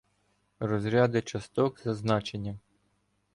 Розряди часток за значенням